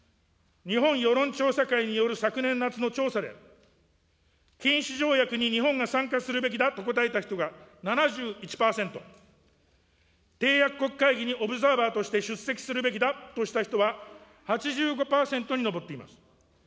日本世論調査会による昨年夏の調査で、禁止条約に日本が参加するべきだと答えた人が、７１％、締約国会議にオブザーバーとして出席するべきだとした人は、８５％に上っています。